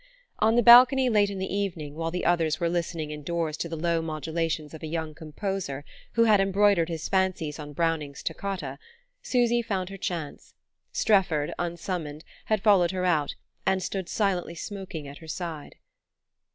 On the balcony, late in the evening, while the others were listening indoors to the low modulations of a young composer who had embroidered his fancies on Browning's "Toccata," Susy found her chance. Strefford, unsummoned, had followed her out, and stood silently smoking at her side.